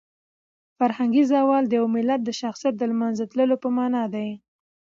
فرهنګي زوال د یو ملت د شخصیت د لمنځه تلو په مانا دی.